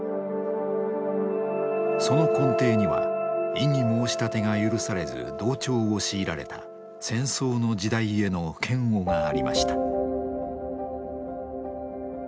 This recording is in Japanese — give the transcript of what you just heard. その根底には異議申し立てが許されず同調を強いられた戦争の時代への嫌悪がありました。